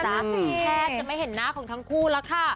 แทบจะไม่เห็นหน้าของทั้งคู่แล้วค่ะ